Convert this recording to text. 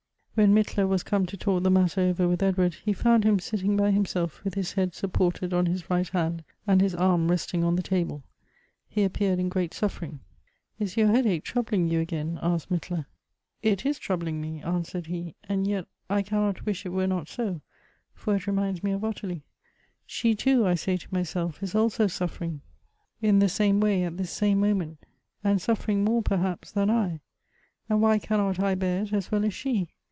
WHEN Mittler was come to talk the matter over with Edward, he found him sitting by himself, with his head supported on his right hand, and his arm resting on the table. He appeared in great suffering. " Is your headache troubling you again ?" asked Mit tler. 13* 298 Goethe's "It is troubling me," answered he ;" and yet I cannot wish it were not so, for it reminds me of Ottilie. She too, I say to myself is also suffering in the same way at this same moment, and suffering more perhaps than I ; and why cannot I bear it as well as she